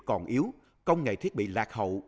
còn yếu công nghệ thiết bị lạc hậu